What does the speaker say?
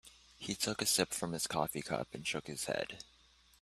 He took a sip from his coffee cup and shook his head.